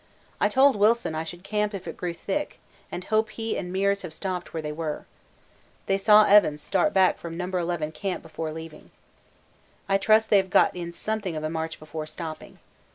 I told Wilson I should camp if it grew thick, and hope he and Meares have stopped where they were. They saw Evans start back from No. 11 Camp before leaving. I trust they have got in something of a march before stopping.